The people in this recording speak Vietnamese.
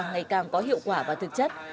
ngày càng có hiệu quả và thực chất